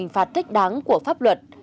cảnh phạt thích đáng của pháp luật